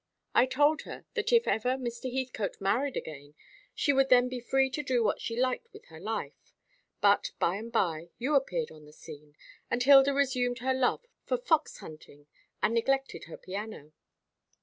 I told her that if ever Mr. Heathcote married again, she would then be free to do what she liked with her life. But by and by you appeared upon the scene, and Hilda resumed her love for fox hunting, and neglected her piano.